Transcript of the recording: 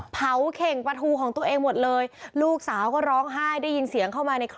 เข่งปลาทูของตัวเองหมดเลยลูกสาวก็ร้องไห้ได้ยินเสียงเข้ามาใน